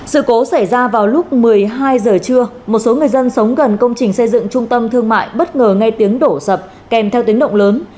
sự cố xảy ra vào lúc một mươi hai giờ trưa một số người dân sống gần công trình xây dựng trung tâm thương mại bất ngờ ngay tiếng đổ sập kèm theo tiếng động lớn